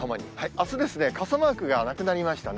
あすですね、傘マークがなくなりましたね。